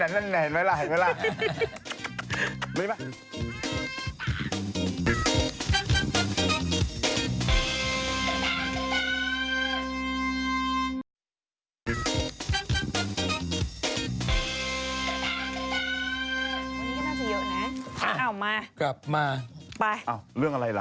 วันนี้ก็น่าจะเยอะนะพากลับออกมากลับมาไปเออเรื่องอะไรล่ะ